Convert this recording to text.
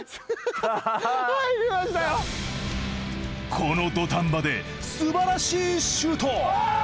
この土壇場ですばらしいシュート！